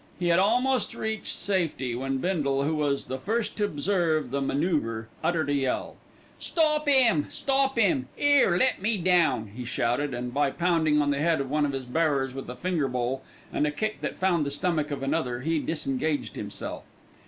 He had almost reached safety when Bindle, who was the first to observe the manoeuvre, uttered a yell. "Stop 'im! stop 'im! 'Ere, let me down," he shouted, and by pounding on the head of one of his bearers with the finger bowl and with a kick that found the stomach of another, he disengaged himself.